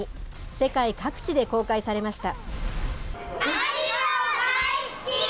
世界各地で公開されました。